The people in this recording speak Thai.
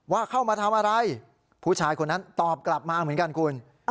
ว่าเข้ามาทำอะไรผู้ชายคนนั้นตอบกลับมาเหมือนกันคุณ